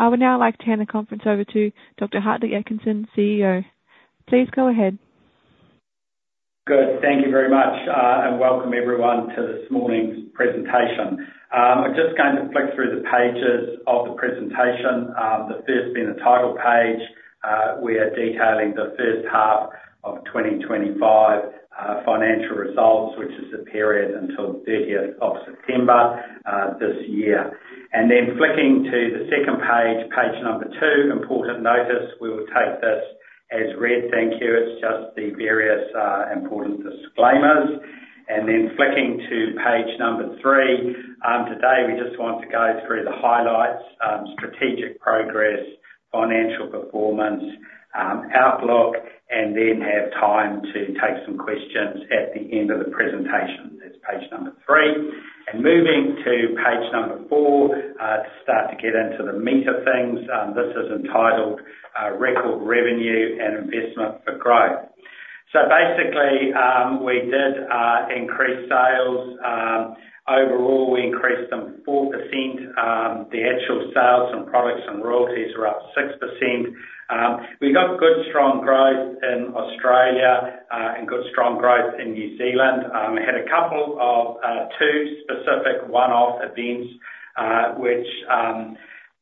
I would now like to hand the conference over to Dr. Hartley Atkinson, CEO. Please go ahead. Good. Thank you very much, and welcome everyone to this morning's presentation. I'm just going to flick through the pages of the presentation, the first being the title page, where detailing the first half of 2025 financial results, which is the period until the 30th of September this year, and then flicking to the second page, page number two, important notice. We will take this as read. Thank you. It's just the various important disclaimers, and then flicking to page number three, today we just want to go through the highlights: strategic progress, financial performance, outlook, and then have time to take some questions at the end of the presentation. That's page number three, and moving to page number four, to start to get into the meat of things, this is entitled Record Revenue and Investment for Growth. So basically, we did increase sales. Overall, we increased them 4%. The actual sales from products and royalties are up 6%. We got good, strong growth in Australia and good, strong growth in New Zealand. We had a couple of two specific one-off events which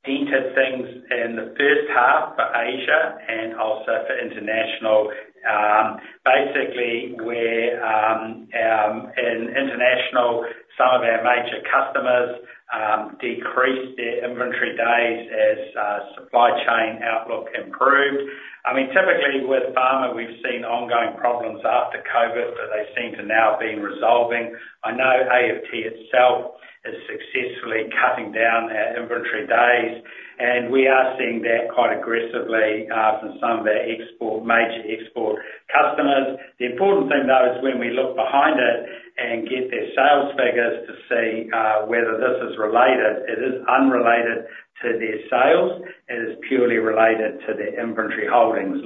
entered things in the first half for Asia and also for international. Basically, in international, some of our major customers decreased their inventory days as supply chain outlook improved. I mean, typically with pharma, we've seen ongoing problems after COVID, but they seem to now be resolving. I know AFT itself is successfully cutting down our inventory days, and we are seeing that quite aggressively for some of our major export customers. The important thing, though, is when we look behind it and get their sales figures to see whether this is related. It is unrelated to their sales. It is purely related to their inventory holdings.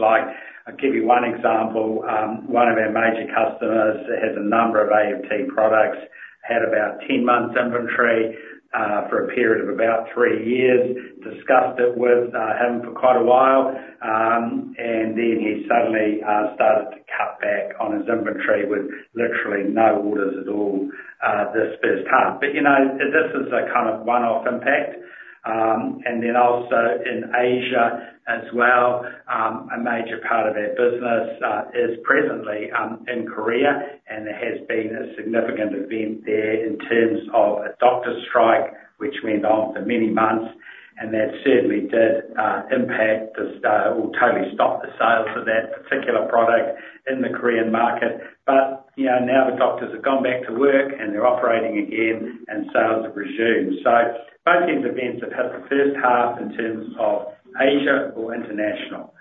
I'll give you one example. One of our major customers has a number of AFT products, had about 10 months inventory for a period of about three years, discussed it with him for quite a while, and then he suddenly started to cut back on his inventory with literally no orders at all this first half, but this is a kind of one-off impact, and then also in Asia as well, a major part of our business is presently in Korea, and there has been a significant event there in terms of a doctor strike, which went on for many months, and that certainly did impact or totally stop the sales of that particular product in the Korean market, but now the doctors have gone back to work, and they're operating again, and sales have resumed, so both these events have hit the first half in terms of Asia or international.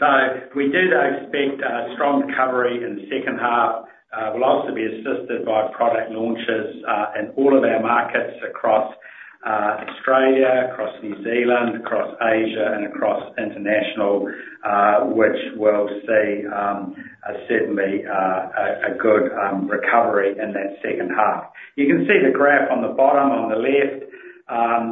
So we do expect strong recovery in the second half. We'll also be assisted by product launches in all of our markets across Australia, across New Zealand, across Asia, and across international, which will see certainly a good recovery in that second half. You can see the graph on the bottom on the left.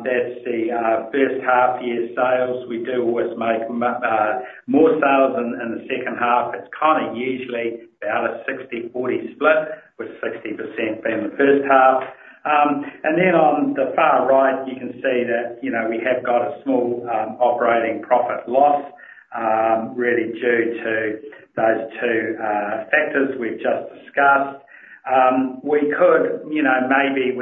That's the first half year sales. We do always make more sales in the second half. It's kind of usually about a 60/40 split, with 60% being the first half. And then on the far right, you can see that we have got a small operating profit loss, really due to those two factors we've just discussed. We could maybe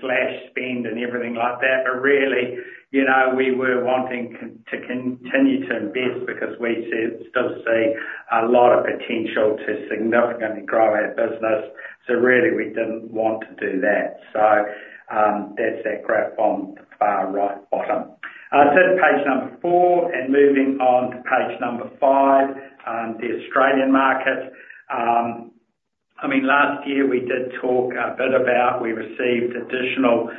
slash spend and everything like that, but really we were wanting to continue to invest because we still see a lot of potential to significantly grow our business. So really we didn't want to do that. So that's that graph on the far right bottom. I said page number four, and moving on to page number five, the Australian market. I mean, last year we did talk a bit about we received an additional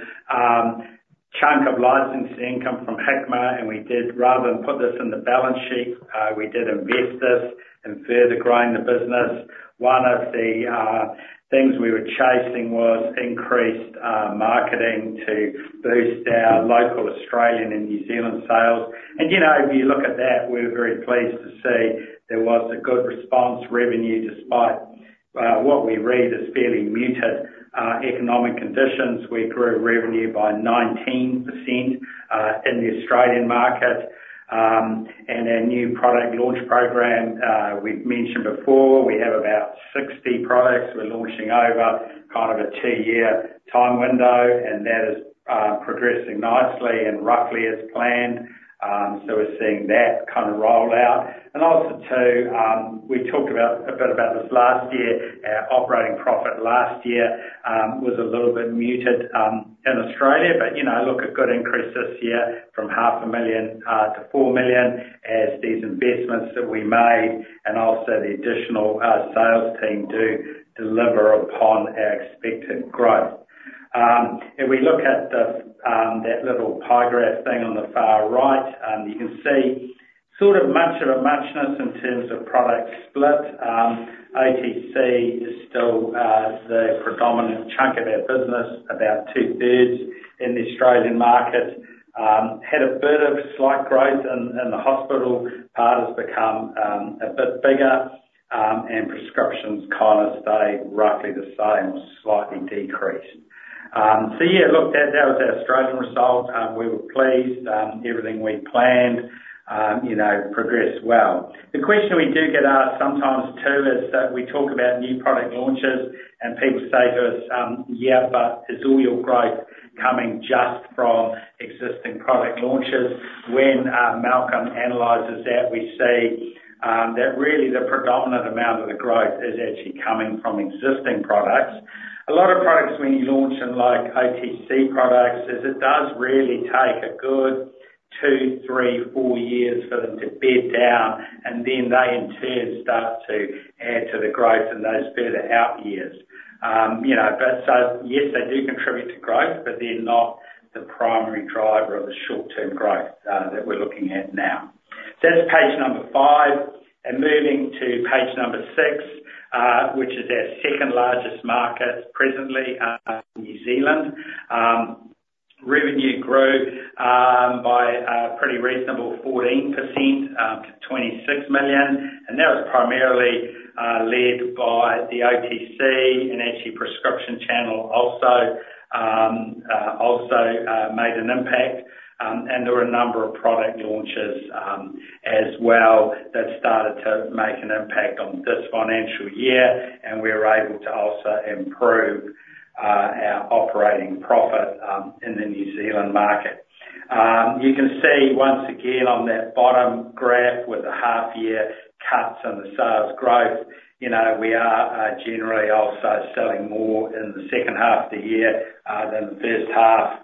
chunk of licensed income from Hikma, and we did, rather than put this in the balance sheet, we did invest this in further growing the business. One of the things we were chasing was increased marketing to boost our local Australian and New Zealand sales. And if you look at that, we're very pleased to see there was a good response. Revenue, despite what we read as fairly muted economic conditions, we grew revenue by 19% in the Australian market. And our new product launch program we've mentioned before, we have about 60 products we're launching over kind of a two-year time window, and that is progressing nicely and roughly as planned. We're seeing that kind of roll out. And also too, we talked a bit about this last year. Our operating profit last year was a little bit muted in Australia, but look, a good increase this year from 500,000 to 4 million as these investments that we made and also the additional sales team do deliver upon our expected growth. If we look at that little pie graph thing on the far right, you can see sort of much of a muchness in terms of product split. OTC is still the predominant chunk of our business, about two-thirds in the Australian market. Had a bit of slight growth in the hospital. Part has become a bit bigger, and prescriptions kind of stay roughly the same or slightly decreased. Yeah, look, that was our Australian result. We were pleased. Everything we planned progressed well. The question we do get asked sometimes too is that we talk about new product launches, and people say to us, "Yeah, but is all your growth coming just from existing product launches?" When Malcolm analyzes that, we see that really the predominant amount of the growth is actually coming from existing products. A lot of products when you launch in OTC products, it does really take a good two, three, four years for them to bed down, and then they in turn start to add to the growth in those further out years. So yes, they do contribute to growth, but they're not the primary driver of the short-term growth that we're looking at now. So that's page number five, and moving to page number six, which is our second largest market presently, New Zealand. Revenue grew by a pretty reasonable 14% to 26 million, and that was primarily led by the OTC and actually prescription channel also made an impact. There were a number of product launches as well that started to make an impact on this financial year, and we were able to also improve our operating profit in the New Zealand market. You can see once again on that bottom graph with the half-year cuts and the sales growth, we are generally also selling more in the second half of the year than the first half.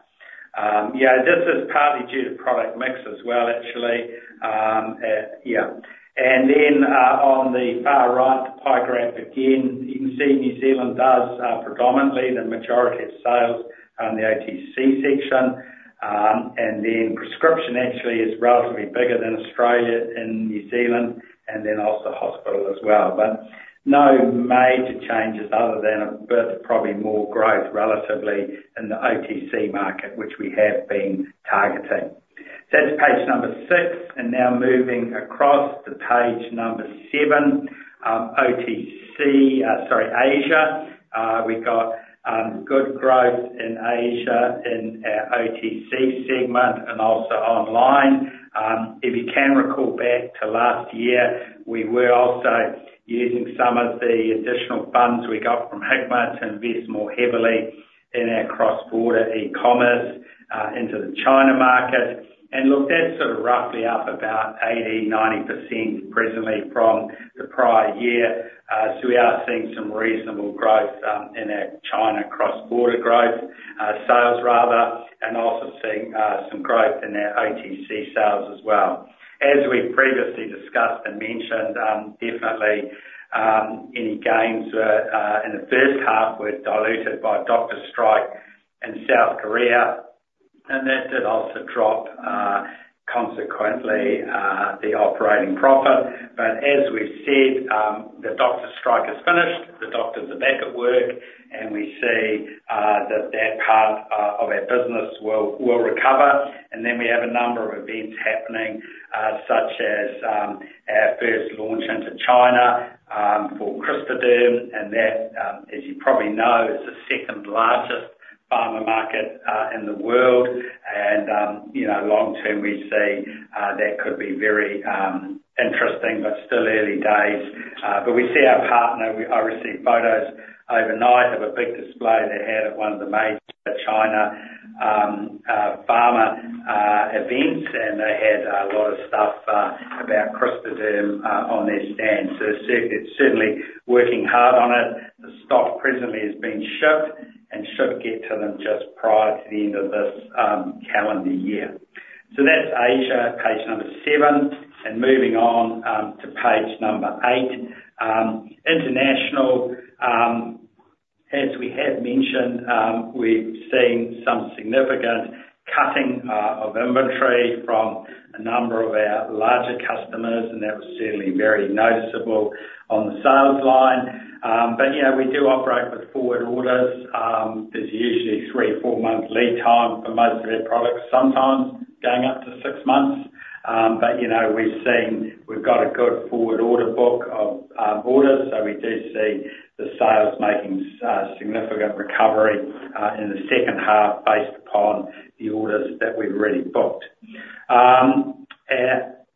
Yeah, this is partly due to product mix as well, actually. Yeah. Then on the far right, the pie graph again, you can see New Zealand does predominantly the majority of sales in the OTC section. Then prescription actually is relatively bigger than Australia and New Zealand, and then also hospital as well. But no major changes other than a bit of probably more growth relatively in the OTC market, which we have been targeting. So that's page number six. And now moving across to page number seven, OTC, sorry, Asia. We've got good growth in Asia in our OTC segment and also online. If you can recall back to last year, we were also using some of the additional funds we got from Hikma to invest more heavily in our cross-border e-commerce into the China market. And look, that's sort of roughly up about 80%-90% presently from the prior year. So we are seeing some reasonable growth in our China cross-border growth sales, rather, and also seeing some growth in our OTC sales as well. As we previously discussed and mentioned, definitely any gains in the first half were diluted by doctor strike in South Korea, and that did also drop consequently the operating profit. But as we've said, the doctor strike is finished. The doctors are back at work, and we see that that part of our business will recover. And then we have a number of events happening, such as our first launch into China for Crystaderm, and that, as you probably know, is the second largest pharma market in the world. And long term, we say that could be very interesting, but still early days. But we see our partner. I received photos overnight of a big display they had at one of the major China pharma events, and they had a lot of stuff about Crystaderm on their stand. So they're certainly working hard on it. The stock presently has been shipped and should get to them just prior to the end of this calendar year. So that's Asia, page number seven. And moving on to page number eight, international. As we have mentioned, we've seen some significant cutting of inventory from a number of our larger customers, and that was certainly very noticeable on the sales line. But yeah, we do operate with forward orders. There's usually a three- to four-month lead time for most of our products, sometimes going up to six months. But we've seen we've got a good forward order book of orders, so we do see the sales making significant recovery in the second half based upon the orders that we've already booked.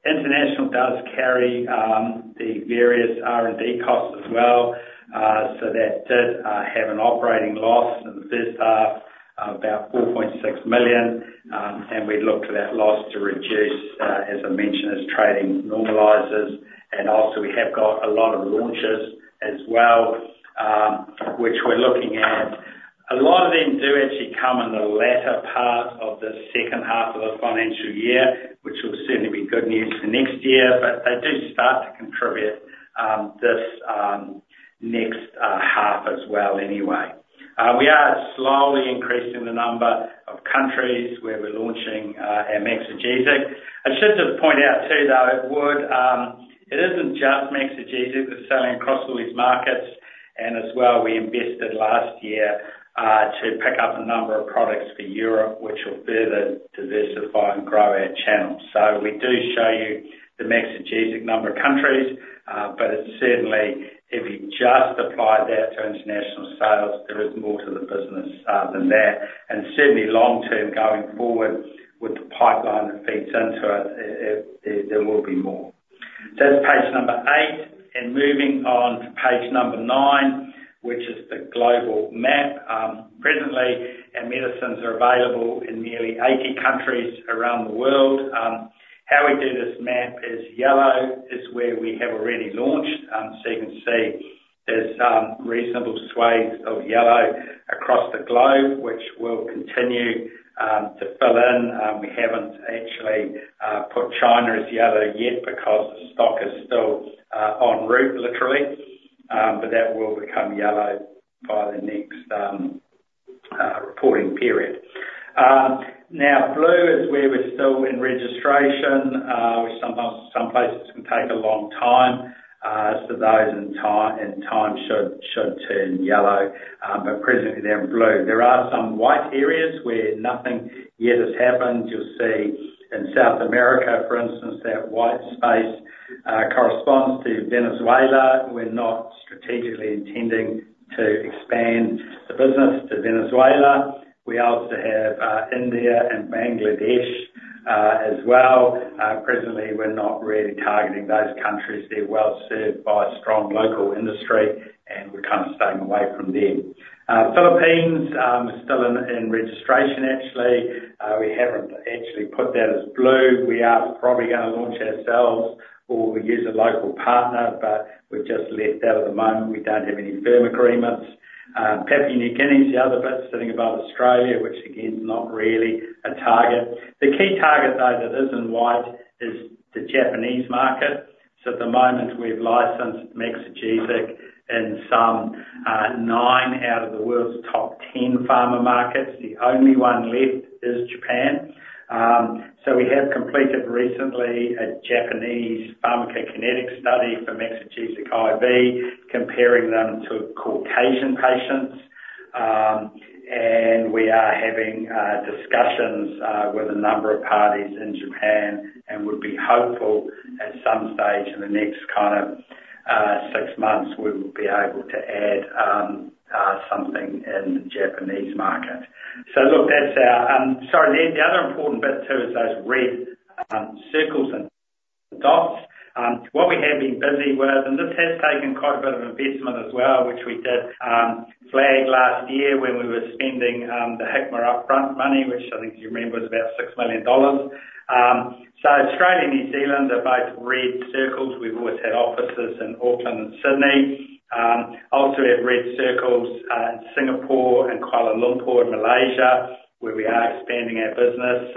International does carry the various R&D costs as well. So that did have an operating loss in the first half of about 4.6 million, and we looked at that loss to reduce, as I mentioned, as trading normalises. And also we have got a lot of launches as well, which we're looking at. A lot of them do actually come in the latter part of the second half of the financial year, which will certainly be good news for next year, but they do start to contribute this next half as well anyway. We are slowly increasing the number of countries where we're launching our Maxigesic. I should just point out too, though, it isn't just Maxigesic. We're selling across all these markets, and as well, we invested last year to pick up a number of products for Europe, which will further diversify and grow our channel. So we do show you the Maxigesic number of countries, but it's certainly, if you just apply that to international sales, there is more to the business than that. And certainly long term going forward with the pipeline that feeds into it, there will be more. So that's page number eight. And moving on to page number nine, which is the global map. Presently, our medicines are available in nearly 80 countries around the world. How we do this map is, yellow is where we have already launched. So you can see there's reasonable swathes of yellow across the globe, which will continue to fill in. We haven't actually put China as yellow yet because the stock is still en route, literally, but that will become yellow by the next reporting period. Now, blue is where we're still in registration. Some places can take a long time, so those in time should turn yellow, but presently they're in blue. There are some white areas where nothing yet has happened. You'll see in South America, for instance, that white space corresponds to Venezuela. We're not strategically intending to expand the business to Venezuela. We also have India and Bangladesh as well. Presently, we're not really targeting those countries. They're well served by strong local industry, and we're kind of staying away from them. Philippines is still in registration, actually. We haven't actually put that as blue. We are probably going to launch ourselves or use a local partner, but we've just left out at the moment. We don't have any firm agreements. Papua New Guinea is the other bit sitting above Australia, which again is not really a target. The key target, though, that is in white is the Japanese market. At the moment, we've licensed Maxigesic in some nine out of the world's top 10 pharma markets. The only one left is Japan. We have completed recently a Japanese pharmacokinetic study for Maxigesic IV, comparing them to Caucasian patients. We are having discussions with a number of parties in Japan and would be hopeful at some stage in the next kind of six months we will be able to add something in the Japanese market. Look, that's our sorry, the other important bit too is those red circles and dots. What we have been busy with, and this has taken quite a bit of investment as well, which we did flag last year when we were spending the Hikma upfront money, which I think you remember was about 6 million dollars. Australia and New Zealand are both red circles. We've always had offices in Auckland and Sydney. Also have red circles in Singapore and Kuala Lumpur and Malaysia, where we are expanding our business.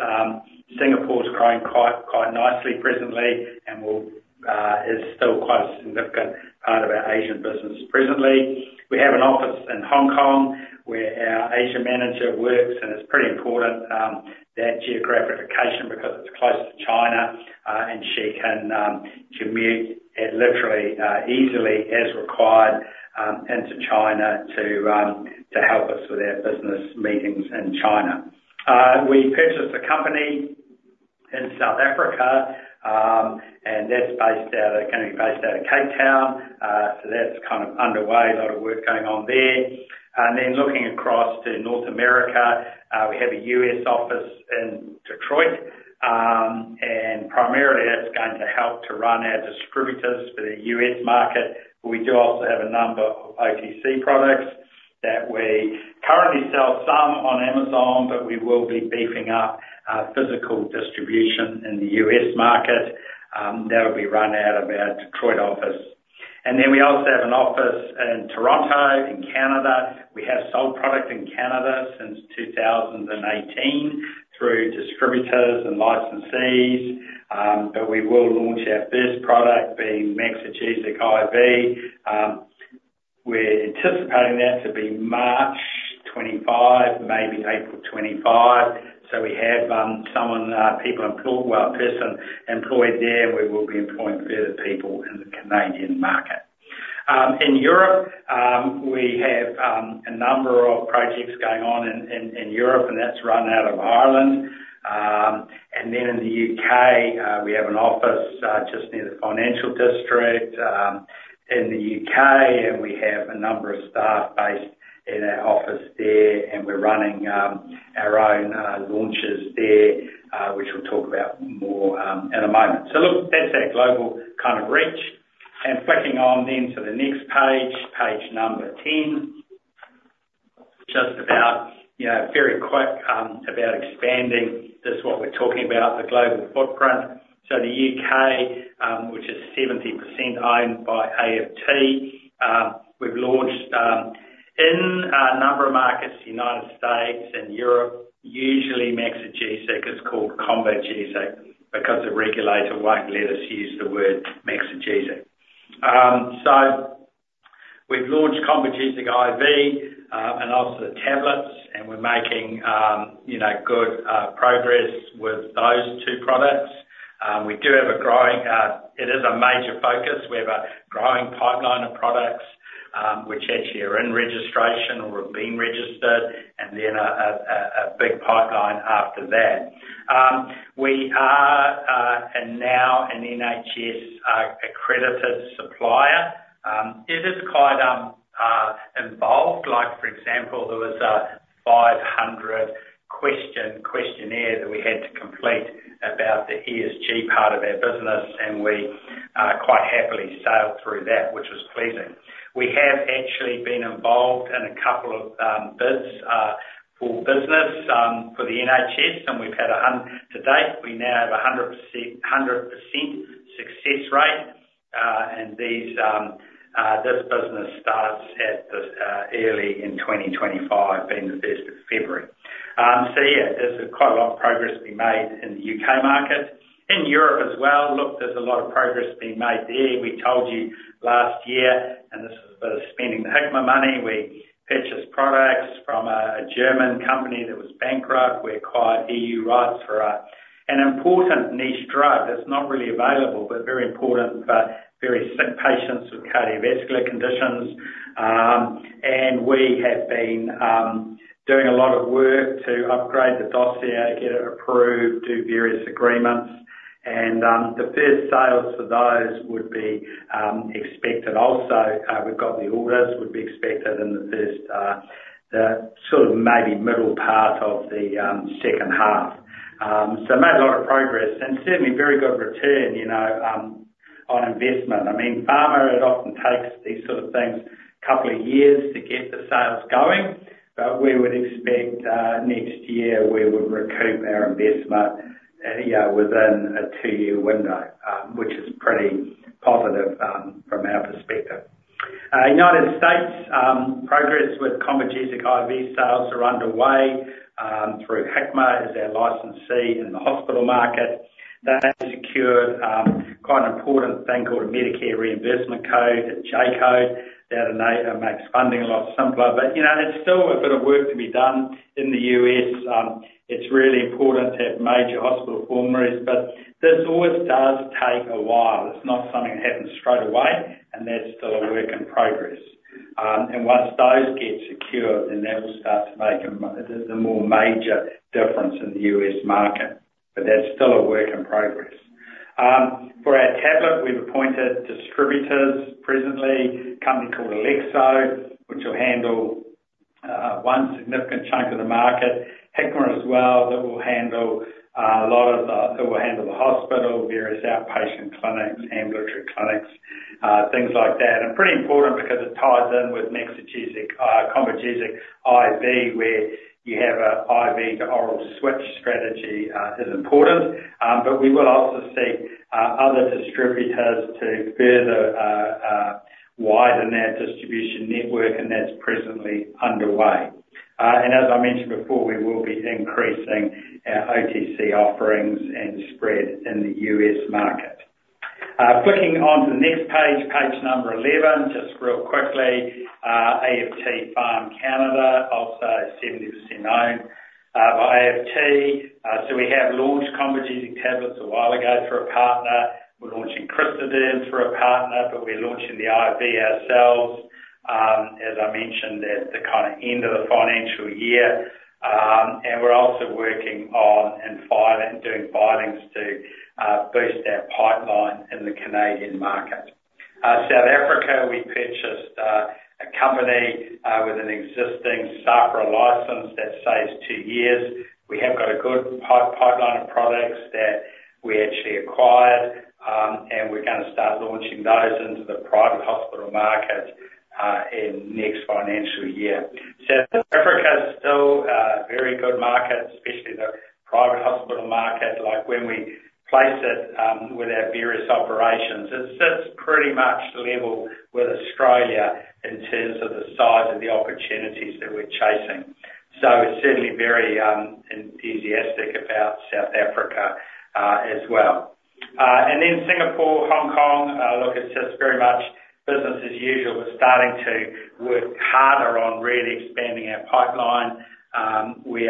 Singapore is growing quite nicely presently and is still quite a significant part of our Asian business presently. We have an office in Hong Kong where our Asia manager works, and it's pretty important that geographic location because it's close to China and she can commute literally easily as required into China to help us with our business meetings in China. We purchased a company in South Africa, and that's going to be based out of Cape Town. So that's kind of underway, a lot of work going on there. And then looking across to North America, we have a U.S. office in Detroit, and primarily that's going to help to run our distributors for the U.S. market. But we do also have a number of OTC products that we currently sell some on Amazon, but we will be beefing up physical distribution in the U.S. market. That will be run out of our Detroit office. And then we also have an office in Toronto, in Canada. We have sold product in Canada since 2018 through distributors and licensees, but we will launch our first product being Maxigesic IV. We're anticipating that to be March 2025, maybe April 2025. So we have some people employed, well, a person employed there, and we will be employing further people in the Canadian market. In Europe, we have a number of projects going on in Europe, and that's run out of Ireland. And then in the U.K., we have an office just near the financial district in the U.K., and we have a number of staff based in our office there, and we're running our own launches there, which we'll talk about more in a moment. So look, that's our global kind of reach. And flicking on then to the next page, page number 10, just about very quick about expanding. This is what we're talking about, the global footprint. So the U.K., which is 70% owned by AFT. We've launched in a number of markets, United States and Europe. Usually, Maxigesic is called ComboGesic because the regulator won't let us use the word Maxigesic. So we've launched ComboGesic IV and also the tablets, and we're making good progress with those two products. We do have a growing it is a major focus. We have a growing pipeline of products, which actually are in registration or have been registered, and then a big pipeline after that. We are now an NHS accredited supplier. It is quite involved. For example, there was a 500-question questionnaire that we had to complete about the ESG part of our business, and we quite happily sailed through that, which was pleasing. We have actually been involved in a couple of bids for business for the NHS, and we've had a, to date, we now have a 100% success rate, and this business starts early in 2025, being the 1st of February. So yeah, there's quite a lot of progress being made in the U.K. market. In Europe as well, look, there's a lot of progress being made there. We told you last year, and this is for spending the Hikma money. We purchased products from a German company that was bankrupt. We acquired E.U. rights for an important niche drug that's not really available, but very important for very sick patients with cardiovascular conditions, and we have been doing a lot of work to upgrade the dossier, get it approved, do various agreements, and the first sales for those would be expected. Also, we've got the orders would be expected in the first sort of maybe middle part of the second half, so made a lot of progress and certainly very good return on investment. I mean, pharma often takes these sort of things a couple of years to get the sales going, but we would expect next year we would recoup our investment within a two-year window, which is pretty positive from our perspective. United States, progress with ComboGesic IV sales are underway through Hikma as our licensee in the hospital market. They have secured quite an important thing called a Medicare reimbursement code, a J code. That makes funding a lot simpler, but it's still a bit of work to be done in the U.S. It's really important to have major hospital formularies, but this always does take a while. It's not something that happens straight away, and that's still a work in progress. Once those get secured, then that will start to make a more major difference in the U.S. market, but that's still a work in progress. For our tablet, we've appointed distributors presently, a company called Alexso, which will handle one significant chunk of the market. Hikma as well, that will handle a lot of the hospital, various outpatient clinics, ambulatory clinics, things like that. And pretty important because it ties in with Maxigesic, ComboGesic IV, where you have an IV to oral switch strategy is important. But we will also seek other distributors to further widen our distribution network, and that's presently underway. And as I mentioned before, we will be increasing our OTC offerings and spread in the U.S. market. Flicking on to the next page, page number 11, just real quickly, AFT Pharma Canada, also 70% owned by AFT. So we have launched ComboGesic tablets a while ago through a partner. We're launching Crystaderm through a partner, but we're launching the IV ourselves. As I mentioned, at the kind of end of the financial year. And we're also working on and doing filings to boost our pipeline in the Canadian market. South Africa, we purchased a company with an existing SAHPRA license that says two years. We have got a good pipeline of products that we actually acquired, and we're going to start launching those into the private hospital market in next financial year. South Africa is still a very good market, especially the private hospital market, like when we place it with our various operations. It sits pretty much level with Australia in terms of the size of the opportunities that we're chasing. So we're certainly very enthusiastic about South Africa as well. And then Singapore, Hong Kong, look, it's just very much business as usual. We're starting to work harder on really expanding our pipeline. We've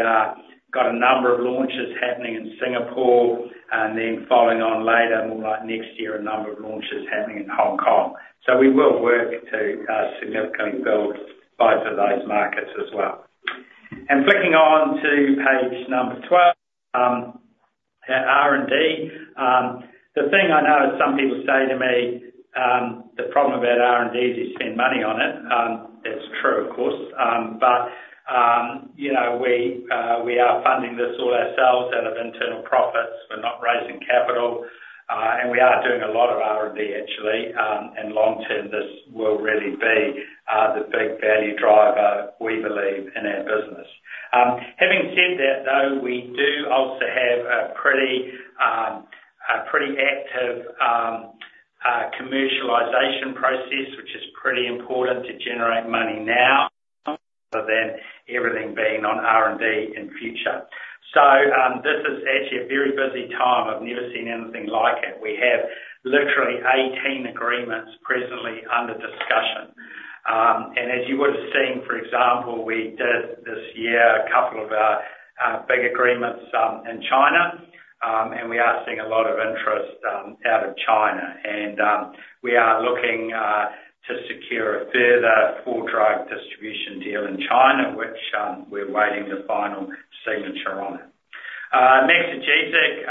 got a number of launches happening in Singapore, and then following on later, more like next year, a number of launches happening in Hong Kong. So we will work to significantly build both of those markets as well. And flicking on to page number 12, R&D. The thing I know is some people say to me, "The problem about R&D is you spend money on it." That's true, of course, but we are funding this all ourselves out of internal profits. We're not raising capital, and we are doing a lot of R&D, actually, and long term, this will really be the big value driver, we believe, in our business. Having said that, though, we do also have a pretty active commercialization process, which is pretty important to generate money now rather than everything being on R&D in future, so this is actually a very busy time. I've never seen anything like it. We have literally 18 agreements presently under discussion, and as you would have seen, for example, we did this year a couple of big agreements in China, and we are seeing a lot of interest out of China. And we are looking to secure a further full drug distribution deal in China, which we're waiting the final signature on. Maxigesic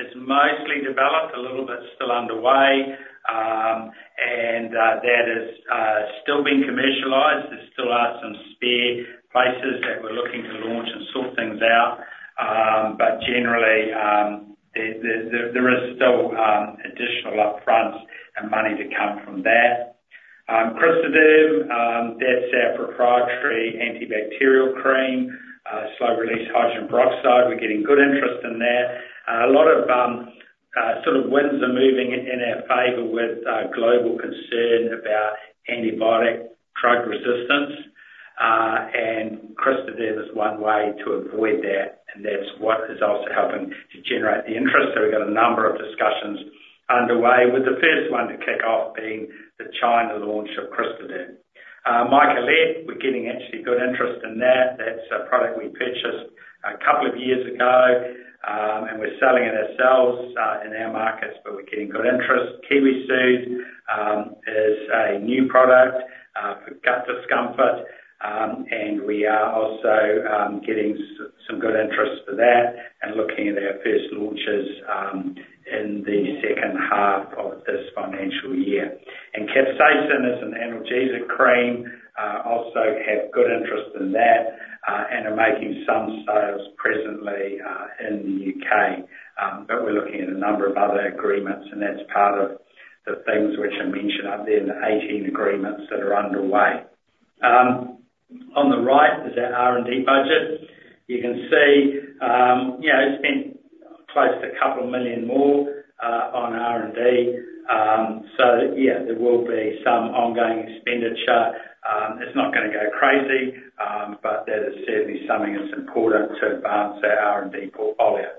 is mostly developed, a little bit still underway, and that is still being commercialized. There still are some spare places that we're looking to launch and sort things out, but generally, there is still additional upfronts and money to come from that. Crystaderm, that's our proprietary antibacterial cream, slow-release hydrogen peroxide. We're getting good interest in that. A lot of sort of winds are moving in our favor with global concern about antibiotic drug resistance, and Crystaderm is one way to avoid that, and that's what is also helping to generate the interest. So we've got a number of discussions underway, with the first one to kick off being the China launch of Crystaderm. Micolette, we're getting actually good interest in that. That's a product we purchased a couple of years ago, and we're selling it ourselves in our markets, but we're getting good interest. KiwiSoothe is a new product for gut discomfort, and we are also getting some good interest for that and looking at our first launches in the second half of this financial year. Capsaicin is an analgesic cream. We also have good interest in that, and are making some sales presently in the U.K., but we're looking at a number of other agreements, and that's part of the things which are mentioned up there in the 18 agreements that are underway. On the right is our R&D budget. You can see we spent close to a couple of million more on R&D. So yeah, there will be some ongoing expenditure. It's not going to go crazy, but that is certainly something that's important to advance our R&D portfolio.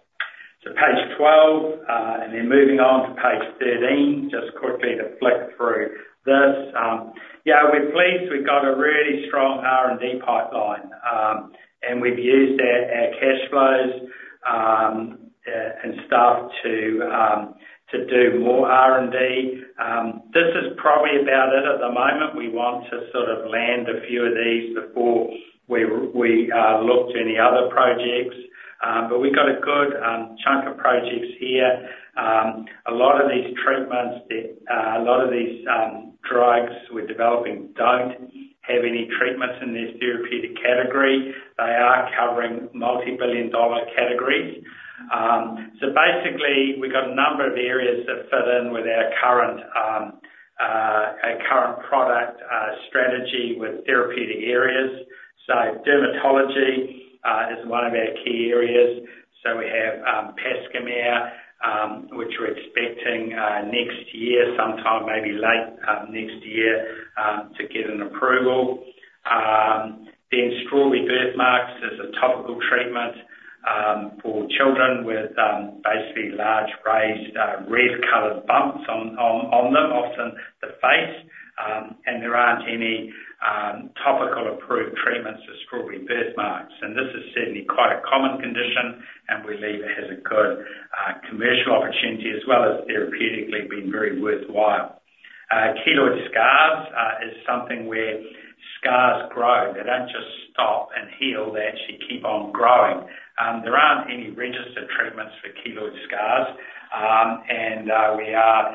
So page 12, and then moving on to page 13, just quickly to flick through this. Yeah, we're pleased. We've got a really strong R&D pipeline, and we've used our cash flows and stuff to do more R&D. This is probably about it at the moment. We want to sort of land a few of these before we look to any other projects, but we've got a good chunk of projects here. A lot of these treatments that a lot of these drugs we're developing don't have any treatments in their therapeutic category. They are covering multi-billion dollar categories. So basically, we've got a number of areas that fit in with our current product strategy with therapeutic areas. So dermatology is one of our key areas. So we have Pascomer, which we're expecting next year, sometime maybe late next year, to get an approval. Then strawberry birthmarks is a topical treatment for children with basically large raised red-colored bumps on them, often the face, and there aren't any topical approved treatments for strawberry birthmarks, and this is certainly quite a common condition, and we leave it as a good commercial opportunity as well as therapeutically being very worthwhile. Keloid scars is something where scars grow. They don't just stop and heal. They actually keep on growing. There aren't any registered treatments for keloid scars, and we are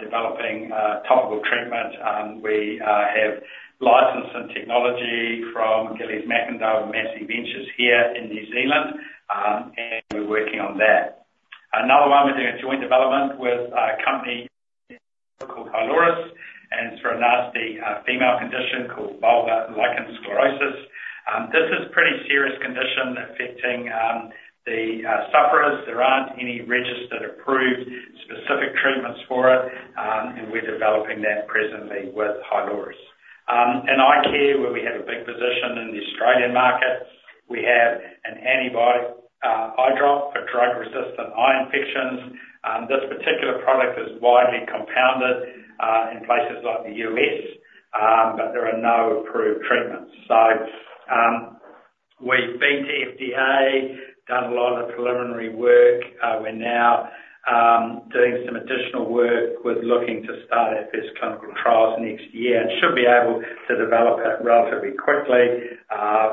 developing topical treatment. We have licensed some technology from Gillies McIndoe and Massey Ventures here in New Zealand, and we're working on that. Another one we're doing a joint development with a company called Hyloris, and it's for a nasty female condition called Vulvar lichen sclerosus. This is a pretty serious condition affecting the sufferers. There aren't any registered approved specific treatments for it, and we're developing that presently with Hyloris. In eye care, where we have a big position in the Australian market, we have an antibiotic eye drop for drug-resistant eye infections. This particular product is widely compounded in places like the U.S., but there are no approved treatments. So we've been to FDA, done a lot of the preliminary work. We're now doing some additional work with looking to start our first clinical trials next year and should be able to develop it relatively quickly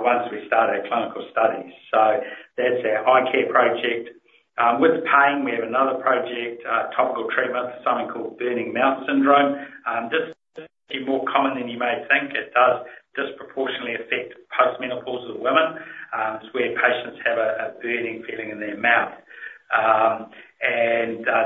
once we start our clinical studies. So that's our eye care project. With pain, we have another project, topical treatment for something called burning mouth syndrome. This is certainly more common than you may think. It does disproportionately affect postmenopausal women. It's where patients have a burning feeling in their mouth.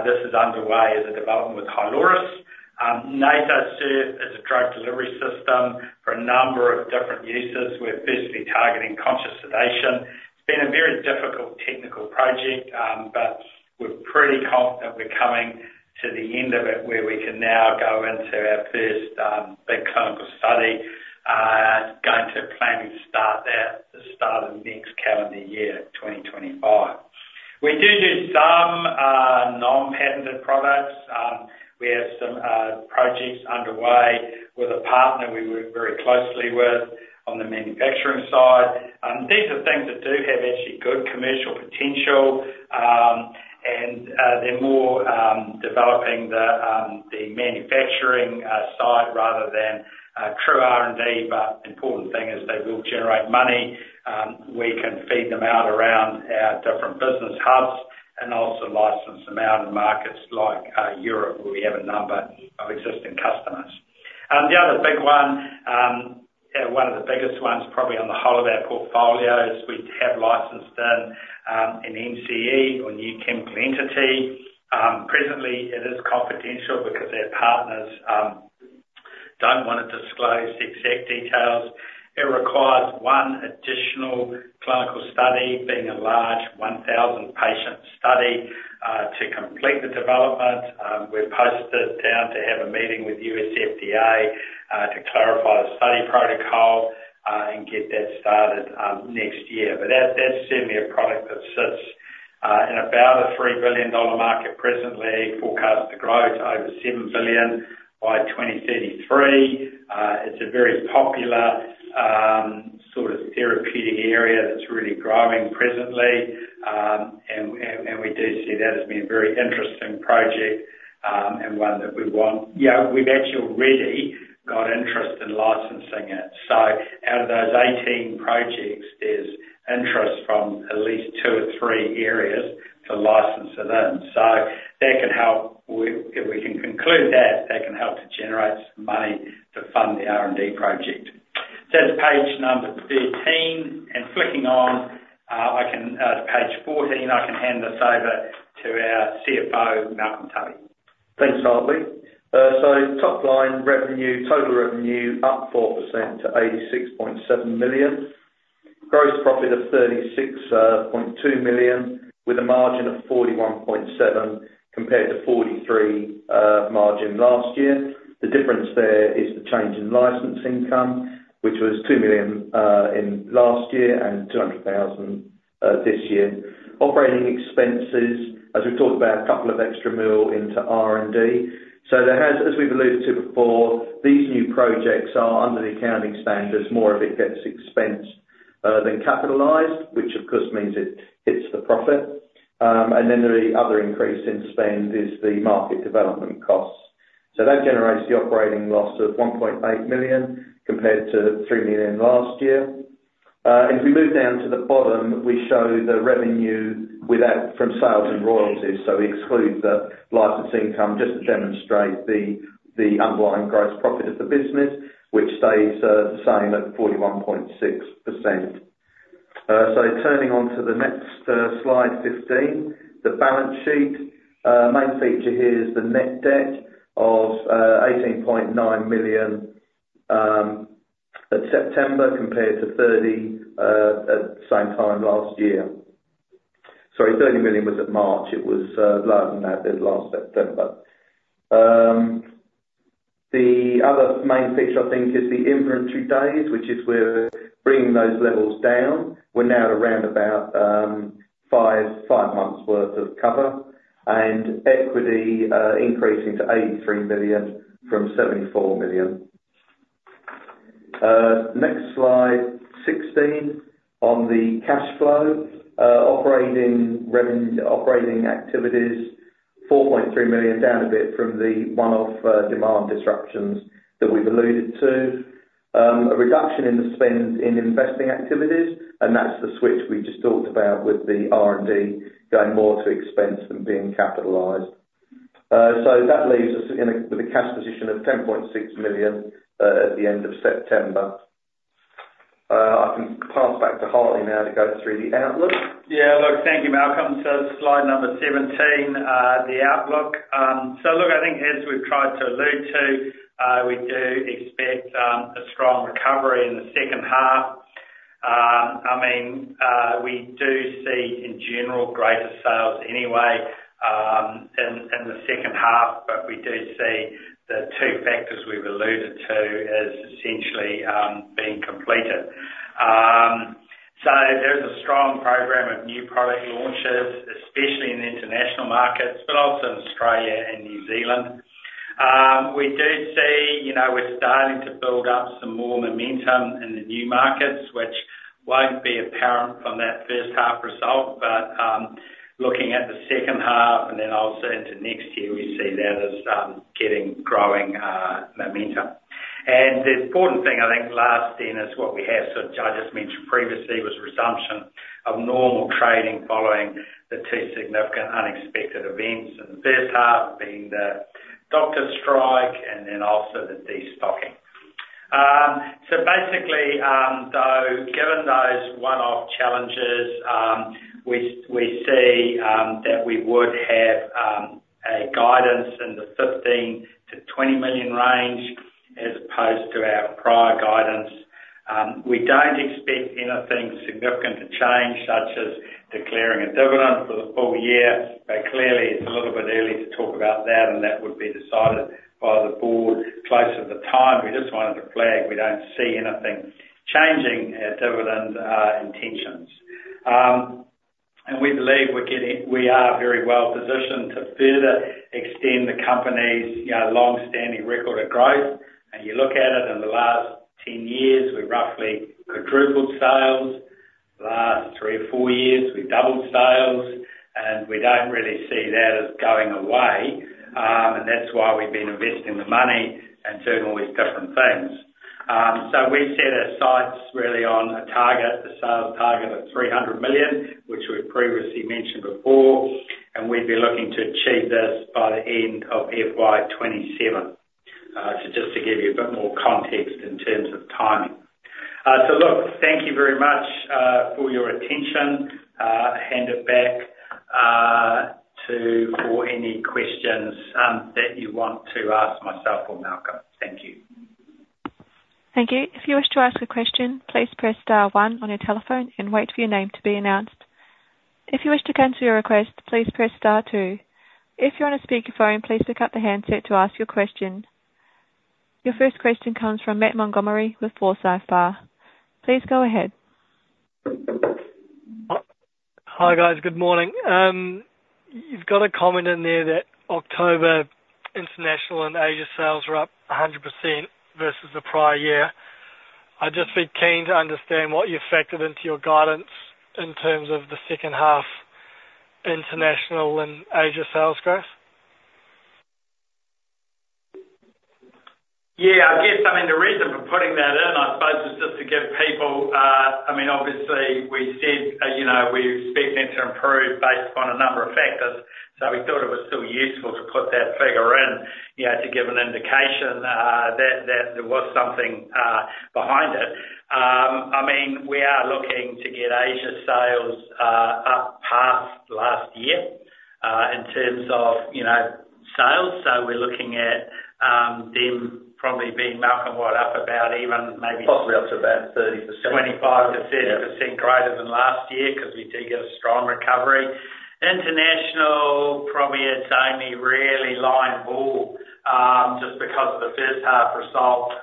This is underway as a development with Hyloris. NasoSURF is a drug delivery system for a number of different uses. We're firstly targeting conscious sedation. It's been a very difficult technical project, but we're pretty confident we're coming to the end of it where we can now go into our first big clinical study, going to plan to start that at the start of next calendar year, 2025. We do use some non-patented products. We have some projects underway with a partner we work very closely with on the manufacturing side. These are things that do have actually good commercial potential, and they're more developing the manufacturing side rather than true R&D. But the important thing is they will generate money. We can feed them out around our different business hubs and also license them out in markets like Europe, where we have a number of existing customers. The other big one, one of the biggest ones probably on the whole of our portfolio, is we have licensed in an NCE or new chemical entity. Presently, it is confidential because our partners don't want to disclose the exact details. It requires one additional clinical study, being a large 1,000-patient study to complete the development. We're poised to have a meeting with U.S. FDA to clarify the study protocol and get that started next year. But that's certainly a product that sits in about a $3 billion market presently, forecast to grow to over $7 billion by 2033. It's a very popular sort of therapeutic area that's really growing presently, and we do see that as being a very interesting project and one that we want. Yeah, we've actually already got interest in licensing it. So out of those 18 projects, there's interest from at least two or three areas to license it in. So that can help if we can conclude that, that can help to generate some money to fund the R&D project. So that's page number 13. And flicking on to page 14, I can hand this over to our CFO, Malcolm Tubby. Thanks, Harley. So top line revenue, total revenue up 4% to 86.7 million. Gross profit of 36.2 million with a margin of 41.7% compared to 43% margin last year. The difference there is the change in license income, which was 2 million last year and 200,000 this year. Operating expenses, as we talked about, a couple of extra mill into R&D. So as we've alluded to before, these new projects are under the accounting standards. More of it gets expensed than capitalized, which of course means it hits the profit. And then the other increase in spend is the market development costs. So that generates the operating loss of 1.8 million compared to three million last year. And if we move down to the bottom, we show the revenue from sales and royalties. So we exclude the license income just to demonstrate the underlying gross profit of the business, which stays the same at 41.6%. So turning on to the next slide, 15, the balance sheet. Main feature here is the net debt of 18.9 million at September compared to 30 at the same time last year. Sorry, 30 million was at March. It was lower than that last September. The other main feature, I think, is the inventory days, which is where we're bringing those levels down. We're now at around about five months' worth of cover, and equity increasing to 83 million from 74 million. Next slide 16, on the cash flow, operating activities, 4.3 million down a bit from the one-off demand disruptions that we've alluded to. A reduction in the spend in investing activities, and that's the switch we just talked about with the R&D going more to expense than being capitalized. So that leaves us with a cash position of 10.6 million at the end of September. I can pass back to Hartley now to go through the outlook. Yeah, look, thank you, Malcolm. So slide number 17, the outlook. So look, I think as we've tried to allude to, we do expect a strong recovery in the second half. I mean, we do see in general greater sales anyway in the second half, but we do see the two factors we've alluded to as essentially being completed. So there's a strong program of new product launches, especially in the international markets, but also in Australia and New Zealand. We do see we're starting to build up some more momentum in the new markets, which won't be apparent from that first half result, but looking at the second half and then also into next year, we see that as getting growing momentum. And the important thing, I think, last then is what we have sort of I just mentioned previously was resumption of normal trading following the two significant unexpected events in the first half being the doctor strike and then also the destocking. So basically, though, given those one-off challenges, we see that we would have a guidance in the 15 million-20 million range as opposed to our prior guidance. We don't expect anything significant to change, such as declaring a dividend for the full year, but clearly it's a little bit early to talk about that, and that would be decided by the board closer to the time. We just wanted to flag we don't see anything changing our dividend intentions. And we believe we are very well positioned to further extend the company's long-standing record of growth. And you look at it in the last 10 years, we roughly quadrupled sales. Last three or four years, we doubled sales, and we don't really see that as going away, and that's why we've been investing the money and doing all these different things. So we set our sights really on a target, a sales target of 300 million, which we've previously mentioned before, and we'd be looking to achieve this by the end of FY27. So just to give you a bit more context in terms of timing. So look, thank you very much for your attention. I'll hand it back to, for any questions that you want to ask myself or Malcolm. Thank you. Thank you. If you wish to ask a question, please press star one on your telephone and wait for your name to be announced. If you wish to cancel your request, please press star two. If you're on a speakerphone, please lift up the handset to ask your question. Your first question comes from Matt Montgomerie with Forsyth Barr. Please go ahead. Hi guys, good morning. You've got a comment in there that October international and Asia sales were up 100% versus the prior year. I'd just be keen to understand what you factored into your guidance in terms of the second half international and Asia sales growth. Yeah, I guess, I mean, the reason for putting that in, I suppose, was just to give people I mean, obviously, we said we expect that to improve based upon a number of factors, so we thought it was still useful to put that figure in to give an indication that there was something behind it. I mean, we are looking to get Asia sales up past last year in terms of sales, so we're looking at them probably being up about even maybe possibly up to about 30%. 25%-30% greater than last year because we do get a strong recovery. International, probably it's only really line ball just because of the first half result.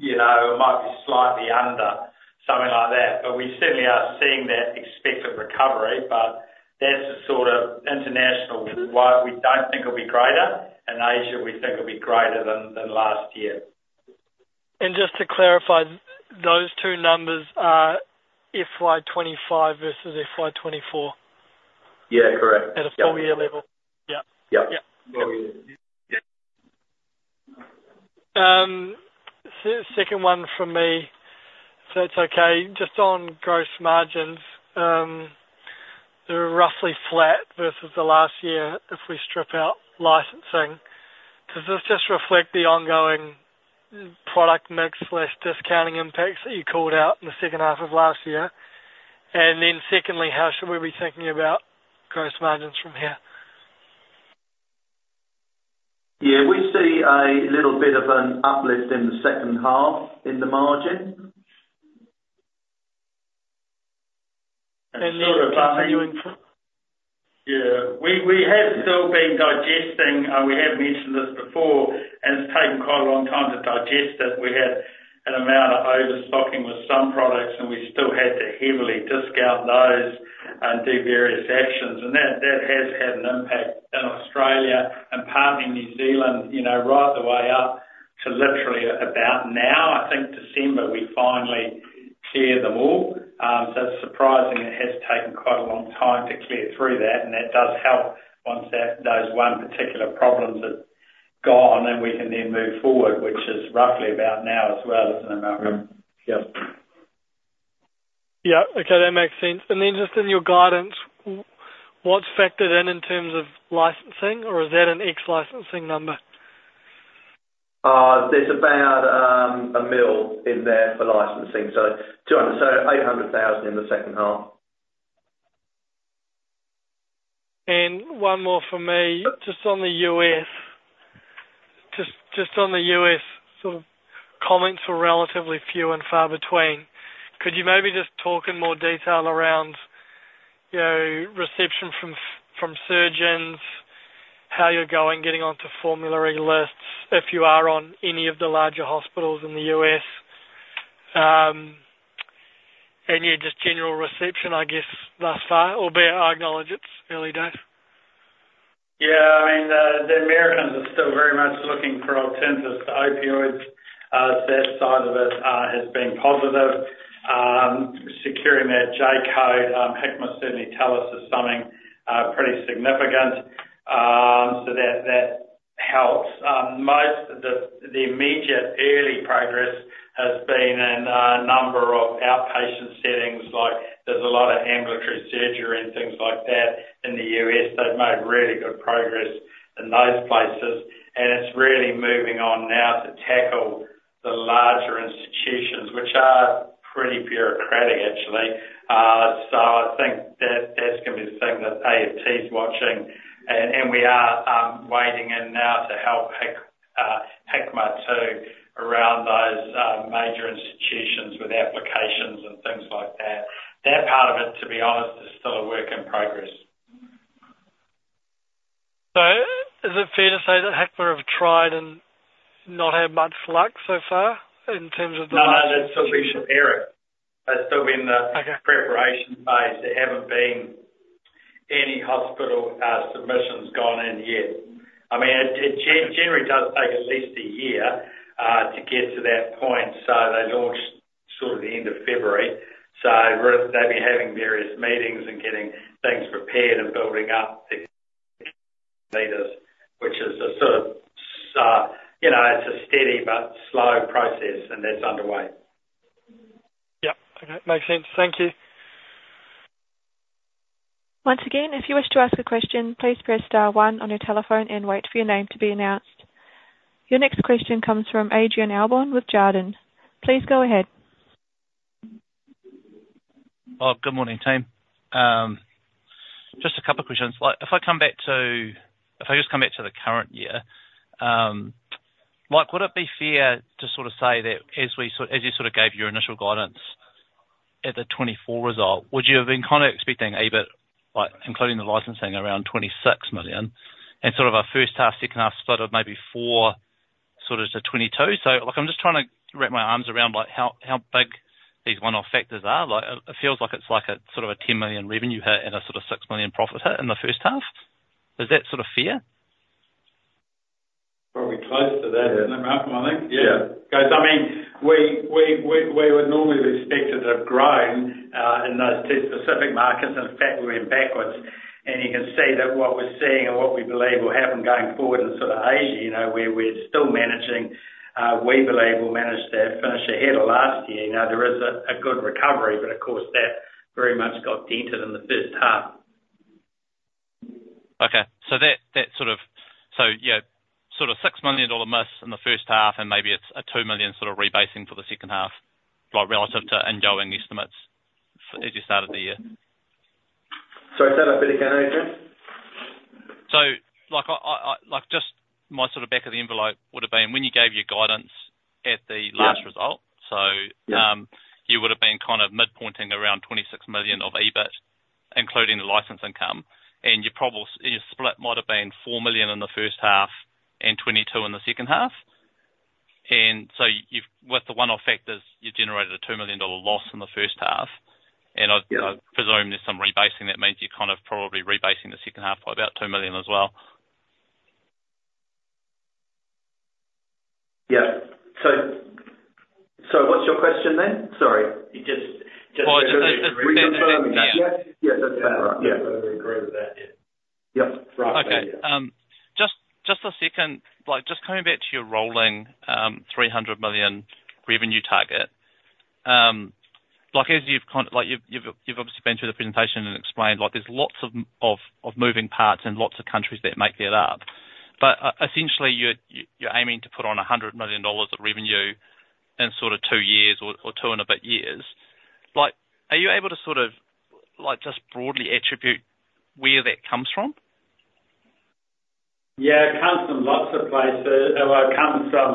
It might be slightly under, something like that. But we certainly are seeing that expected recovery, but that's the sort of international we don't think will be greater, and Asia we think will be greater than last year. And just to clarify, those two numbers are FY25 versus FY24? Yeah, correct. At a four-year level. Yeah. Yeah. Four years. Second one from me, if that's okay, just on gross margins. They're roughly flat versus the last year if we strip out licensing. Does this just reflect the ongoing product mix/discounting impacts that you called out in the second half of last year? And then secondly, how should we be thinking about gross margins from here? Yeah, we see a little bit of an uplift in the second half in the margin. And, sort of continuing from yeah, we have still been digesting. We have mentioned this before, and it's taken quite a long time to digest it. We had an amount of overstocking with some products, and we still had to heavily discount those and do various actions. And that has had an impact in Australia and partly New Zealand right the way up to literally about now. I think December we finally cleared them all. So it's surprising it has taken quite a long time to clear through that, and that does help once those one particular problems have gone and we can then move forward, which is roughly about now as well, isn't it, Malcolm? Yeah. Yeah. Okay, that makes sense. And then just in your guidance, what's factored in in terms of licensing, or is that an ex-licensing number? There's about 1 million in there for licensing, so 800,000 in the second half. One more for me, just on the U.S., just on the U.S., sort of comments were relatively few and far between. Could you maybe just talk in more detail around reception from surgeons, how you're getting onto formulary lists if you are on any of the larger hospitals in the U.S.? Any just general reception, I guess, thus far, albeit I acknowledge it's early days. Yeah, I mean, the Americans are still very much looking for alternatives to opioids. So that side of it has been positive. Securing that J code, Hikma certainly tell us is something pretty significant, so that helps. Most of the immediate early progress has been in a number of outpatient settings, like there's a lot of ambulatory surgery and things like that in the U.S. They've made really good progress in those places, and it's really moving on now to tackle the larger institutions, which are pretty bureaucratic, actually. So I think that that's going to be the thing that AFT's watching, and we are wading in now to help Hikma too around those major institutions with applications and things like that. That part of it, to be honest, is still a work in progress. So is it fair to say that Hikma have tried and not had much luck so far in terms of the? No, no, that's still being prepared. That's still been the preparation phase. There haven't been any hospital submissions gone in yet. I mean, it generally does take at least a year to get to that point, so they launched sort of the end of February. They've been having various meetings and getting things prepared and building up the leaders, which is sort of a steady but slow process, and that's underway. Yep. Okay. Makes sense. Thank you. Once again, if you wish to ask a question, please press star one on your telephone and wait for your name to be announced. Your next question comes from Adrian Allbon with Jarden. Please go ahead. Good morning, team. Just a couple of questions. If I just come back to the current year, would it be fair to sort of say that as you sort of gave your initial guidance at the 2024 result, would you have been kind of expecting EBIT, including the licensing, around 26 million and sort of a first half, second half split of maybe 4 million- 22 million? I'm just trying to wrap my arms around how big these one-off factors are. It feels like it's like a sort of a 10 million revenue hit and a sort of 6 million profit hit in the first half. Is that sort of fair? Well, we're close to that, isn't it, Malcolm? I think, yeah. Because, I mean, we would normally have expected a growing in those two specific markets. In fact, we went backwards, and you can see that what we're seeing and what we believe will happen going forward in sort of Asia, where we're still managing, we believe we'll manage to finish ahead of last year. There is a good recovery, but of course, that very much got dented in the first half. Okay. So, sort of six million dollar missed in the first half, and maybe it's a two million sort of rebasing for the second half relative to ingoing estimates as you started the year. Sorry, say that bit again, Adrian. So just my sort of back of the envelope would have been when you gave your guidance at the last result, so you would have been kind of mid-pointing around 26 million of EBITDA, including the license income, and your split might have been four million in the first half and 22 in the second half. And so with the one-off factors, you generated a 2 million dollar loss in the first half, and I presume there's some rebasing. That means you're kind of probably rebasing the second half by about two million as well. Yeah. So what's your question then? Sorry. Just to confirm that. Yeah. Yeah, that's about right. Yeah. I agree with that. Yeah. Yep. Right. Okay. Just a second. Just coming back to your rolling 300 million revenue target, as you've obviously been through the presentation and explained, there's lots of moving parts and lots of countries that make that up. But essentially, you're aiming to put on 100 million dollars of revenue in sort of two years or two and a bit years. Are you able to sort of just broadly attribute where that comes from? Yeah, it comes from lots of places. It comes from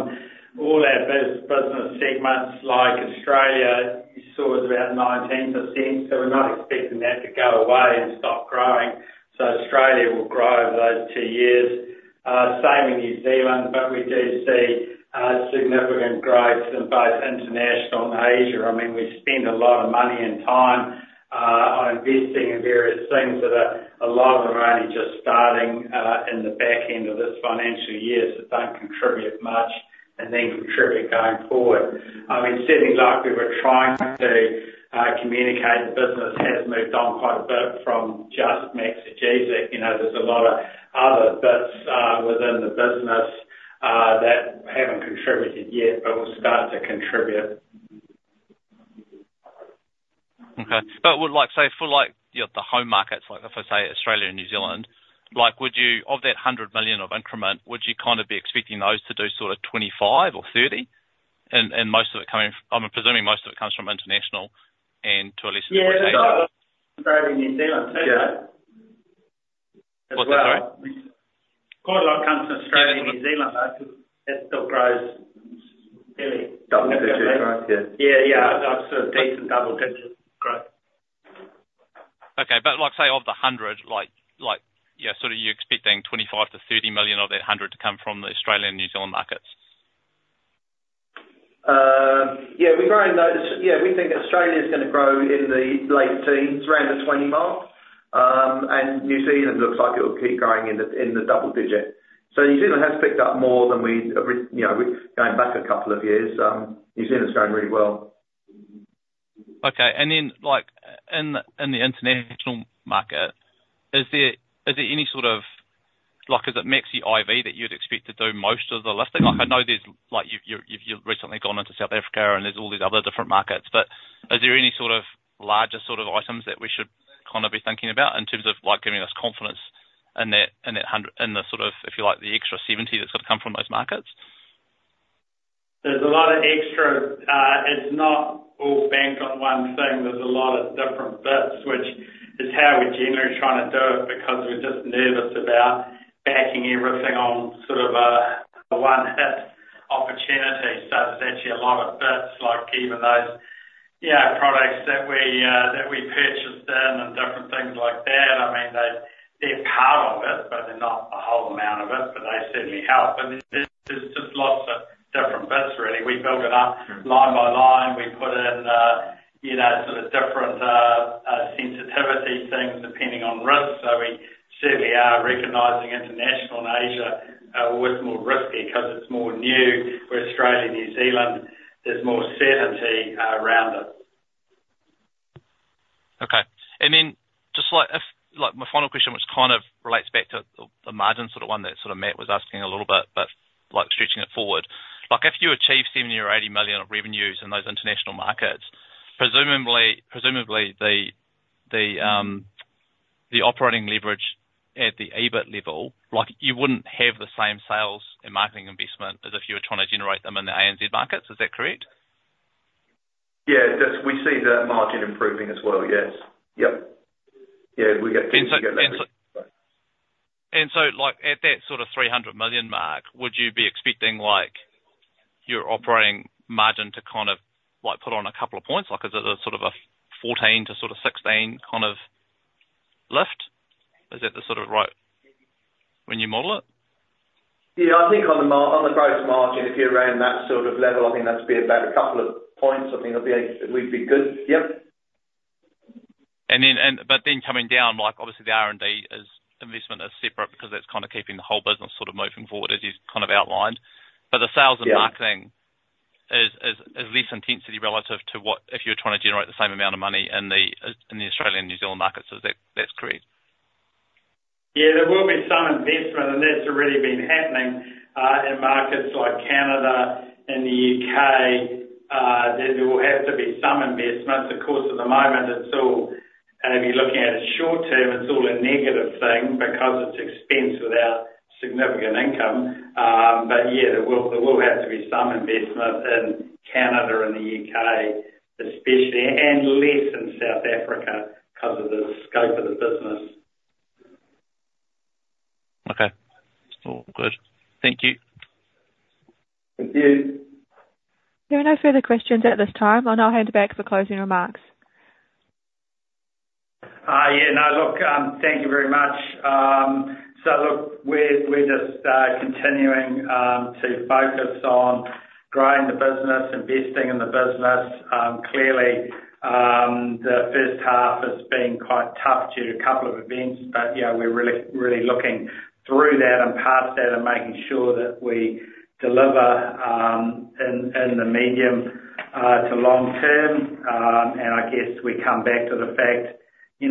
all our business segments. Like Australia, you saw is about 19%, so we're not expecting that to go away and stop growing. So Australia will grow over those two years. Same in New Zealand, but we do see significant growth in both International and Asia. I mean, we spend a lot of money and time on investing in various things that a lot of them are only just starting in the back end of this financial year so they don't contribute much and then contribute going forward. I mean, certainly, like we were trying to communicate, the business has moved on quite a bit from just Maxigesic. There's a lot of other bits within the business that haven't contributed yet, but we'll start to contribute. Okay. But say for the home markets, if I say Australia and New Zealand, of that 100 million of increment, would you kind of be expecting those to do sort of 25 or 30? And most of it coming from I'm presuming most of it comes from international and to at l east the U.S.? Yeah, quite a lot of Australia and New Zealand too. What's that? Sorry? Quite a lot comes from Australia and New Zealand, though, because that still grows fairly double digits. Yeah, yeah. That's a decent double digit growth. Okay. But, say, of the 100, sort of, you're expecting 25-30 million of that 100 to come from the Australia and New Zealand markets? Yeah, we're growing those. Yeah, we think Australia's going to grow in the late teens, around the 20 mark, and New Zealand looks like it will keep growing in the double digit. So New Zealand has picked up more than we've gone back a couple of years. New Zealand's grown really well. Okay. And then in the international market, is there any sort of, is it Maxigesic IV that you'd expect to do most of the listing? I know you've recently gone into South Africa and there's all these other different markets, but is there any sort of larger sort of items that we should kind of be thinking about in terms of giving us confidence in that sort of, if you like, the extra 70 that's going to come from those markets? There's a lot of extra. It's not all banked on one thing. There's a lot of different bits, which is how we're generally trying to do it because we're just nervous about backing everything on sort of a one-hit opportunity. So there's actually a lot of bits, like even those products that we purchase then and different things like that. I mean, they're part of it, but they're not a whole amount of it, but they certainly help. And there's just lots of different bits, really. We build it up line by line. We put in sort of different sensitivity things depending on risk. So we certainly are recognizing international and Asia are always more risky because it's more new, where Australia and New Zealand, there's more certainty around it. Okay. And then just my final question, which kind of relates back to the margin sort of one that sort of Matt was asking a little bit, but stretching it forward. If you achieve 70 million or 80 million of revenues in those international markets, presumably the operating leverage at the EBIT level, you wouldn't have the same sales and marketing investment as if you were trying to generate them in the ANZ markets. Is that correct? Yeah. We see that margin improving as well. Yes. Yep. Yeah, we get things like that. And so at that sort of 300 million mark, would you be expecting your operating margin to kind of put on a couple of points? Is it sort of a 14% to sort of 16% kind of lift? Is that the sort of right when you model it? Yeah. I think on the gross margin, if you're around that sort of level, I think that's about a couple of points. I think we'd be good. Yep. But then coming down, obviously, the R&D investment is separate because that's kind of keeping the whole business sort of moving forward, as you've kind of outlined. But the sales and marketing is less intensity relative to if you're trying to generate the same amount of money in the Australia and New Zealand markets. Is that correct? Yeah. There will be some investment, and that's already been happening in markets like Canada and the U.K. There will have to be some investment. Of course, at the moment, if you're looking at a short term, it's all a negative thing because it's expense without significant income. But yeah, there will have to be some investment in Canada and the U.K., especially, and less in South Africa because of the scope of the business. Okay. All good. Thank you. Thank you. There are no further questions at this time. I'll now hand back for closing remarks. Yeah. No, look, thank you very much. So look, we're just continuing to focus on growing the business, investing in the business. Clearly, the first half has been quite tough due to a couple of events, but yeah, we're really looking through that and past that and making sure that we deliver in the medium to long term, and I guess we come back to the fact we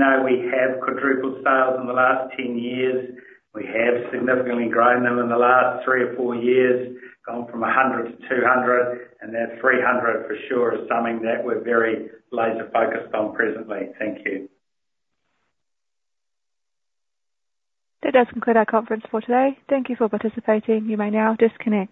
have quadrupled sales in the last 10 years. We have significantly grown them in the last three or four years, gone from 100 to 200, and that 300 for sure is something that we're very laser-focused on presently. Thank you. That does conclude our conference for today. Thank you for participating. You may now disconnect.